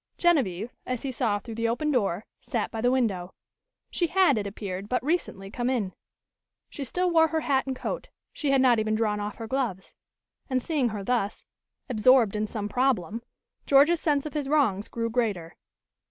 Genevieve, as he saw through the open door, sat by the window. She had, it appeared, but recently come in. She still wore her hat and coat; she had not even drawn off her gloves. And seeing her thus, absorbed in some problem, George's sense of his wrongs grew greater.